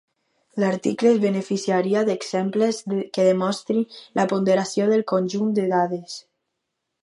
L'article es beneficiaria d'exemples que demostrin la ponderació del conjunt de dades.